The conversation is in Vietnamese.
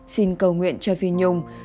xin cầu nguyện cho phi nhung